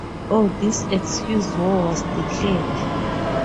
On this excuse, war was declared.